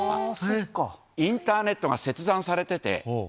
インターネットが切断されてて。